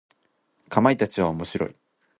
かまいたちは面白い。